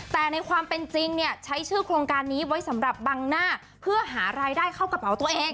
แต่ในความเป็นจริงเนี่ยใช้ชื่อโครงการนี้ไว้สำหรับบังหน้าเพื่อหารายได้เข้ากระเป๋าตัวเอง